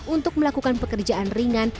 untuk melakukan pekerjaan ringan